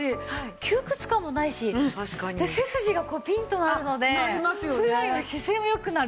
窮屈感もないし背筋がピンとなるので普段より姿勢も良くなる。